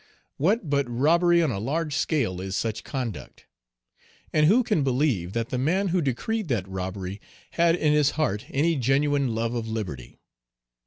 What but robbery on a large scale is such conduct? And who can believe that the man who decreed that robbery had in his heart any genuine love of liberty?